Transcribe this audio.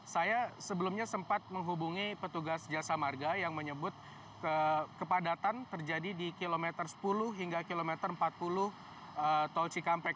saya sebelumnya sempat menghubungi petugas jasa marga yang menyebut kepadatan terjadi di kilometer sepuluh hingga kilometer empat puluh tol cikampek